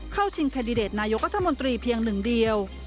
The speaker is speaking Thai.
เข้าชิงแคดิเดตนายกฎมนตรีเพียงหนึ่งเดียว